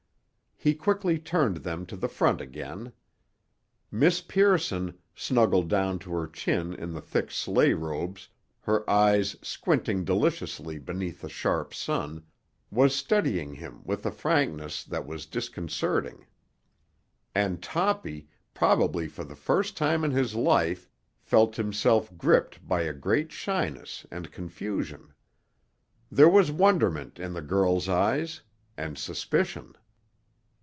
He quickly turned them to the front again. Miss Pearson, snuggled down to her chin in the thick sleigh robes, her eyes squinting deliciously beneath the sharp sun, was studying him with a frankness that was disconcerting, and Toppy, probably for the first time in his life, felt himself gripped by a great shyness and confusion. There was wonderment in the girl's eyes, and suspicion.